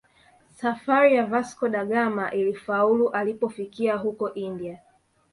Safari ya Vasco da Gama ilifaulu alipofikia huko India